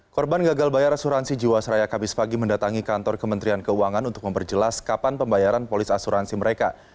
korban gagal bayar asuransi jiwasraya kamis pagi mendatangi kantor kementerian keuangan untuk memperjelas kapan pembayaran polis asuransi mereka